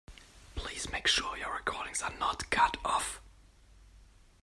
Please make sure your recordings are not cut off.